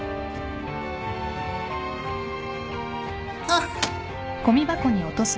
あっ！